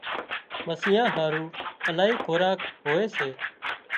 مسيان هارو الاهي خوراڪ هوئي سي